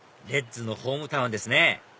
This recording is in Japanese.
レッズのホームタウンですね